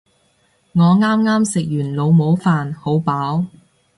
我啱啱食完老母飯，好飽